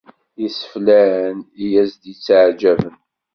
Iseflen i as-yetteɛǧaben.